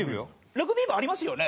ラグビー部ありますよね